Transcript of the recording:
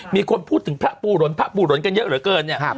มีคนพูดถึงพระปูหลนพระปูหลนกันเยอะเหลือเกินเนี่ย